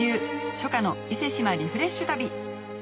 初夏の伊勢志摩リフレッシュ旅